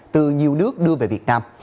từ nhiều nước đưa về việt nam